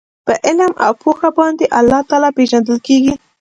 په علم او پوهه باندي الله تعالی پېژندل کیږي